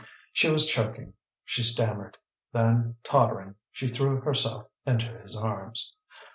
She was choking, she stammered. Then, tottering, she threw herself into his arms.